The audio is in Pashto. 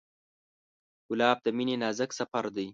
ګلاب د مینې نازک سفر دی.